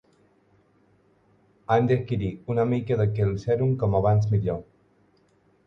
Hem d'adquirir una mica d'aquell sèrum com abans millor.